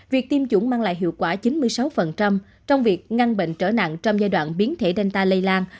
việc tiêm chủng mang lại hiệu quả chín mươi sáu trong việc ngăn bệnh trở nặng trong giai đoạn biến thể danta lây lan